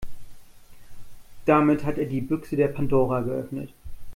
Damit hat er die Büchse der Pandora geöffnet.